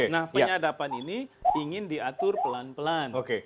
nah penyadapan ini ingin diatur pelan pelan